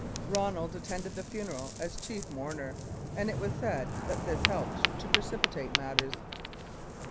Ronald attended the funeral as chief mourner, and it was said that this helped to precipitate matters.